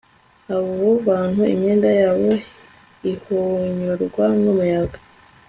Aho abantu imyenda yabo ihonyorwa numuyaga